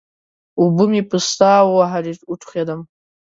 اوبه مې په سا ووهلې؛ وټوخېدم.